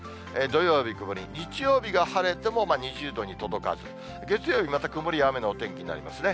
土曜日曇り、日曜日が晴れても２０度に届かず、月曜日また曇りや雨のお天気になりますね。